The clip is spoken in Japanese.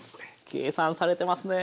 計算されてますね。